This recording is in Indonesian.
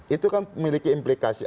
itu kan memiliki implikasi